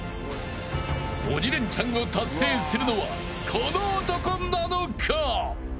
鬼レンチャンを達成するのはこの男なのか。